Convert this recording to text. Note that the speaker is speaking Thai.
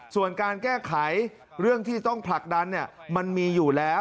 ส่วนการแก้ไขเรื่องที่ต้องผลักดันมันมีอยู่แล้ว